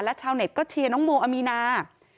ชาวเน็ตก็เชียร์น้องโมอามีนา